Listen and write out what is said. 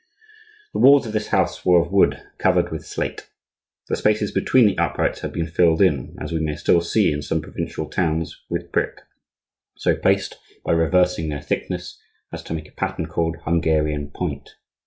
The walls of this house were of wood covered with slate. The spaces between the uprights had been filled in, as we may still see in some provincial towns, with brick, so placed, by reversing their thickness, as to make a pattern called "Hungarian point."